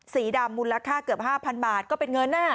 สีดำมูลค่าเกือบ๕๐๐บาทก็เป็นเงิน